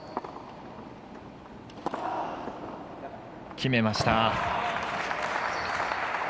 決めました。